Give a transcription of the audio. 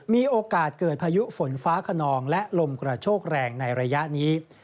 มีโอกาสเกิดพายุฝนฟ้าขนองและลมกระโชกแรงในระยะนี้